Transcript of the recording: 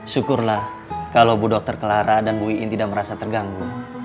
syukurlah kalau bu dr clara dan bu iin tidak merasa terganggu